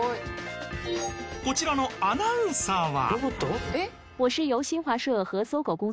こちらのアナウンサーは。